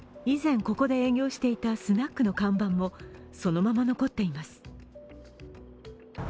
以前ここで営業していたスナックの看板もそのまま残っています。